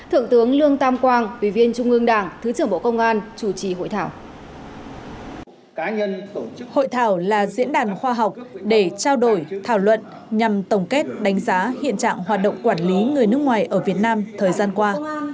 hội thảo là diễn đàn khoa học để trao đổi thảo luận nhằm tổng kết đánh giá hiện trạng hoạt động quản lý người nước ngoài ở việt nam thời gian qua